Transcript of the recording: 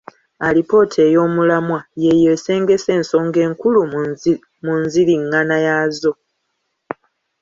Alipoota ey'omulamwa y'eyo esengese ensonga enkulu mu nziringana yaazo.